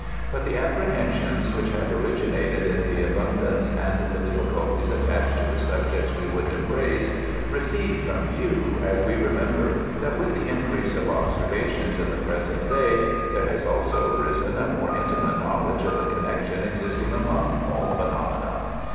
But the apprehensions which have originated in the abundance and the difiiculties attached to the subjects we would embrace, recede from view as we remember that with the increase of observations in the present day there has also arisen a mote intimate knowledge of the connection existing among all phenomena.